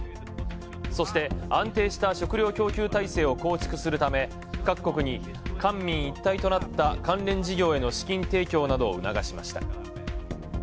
そして安定した食料供給体制を構築するため各国に官民一体となった関連事業への資金提供などを訴えました。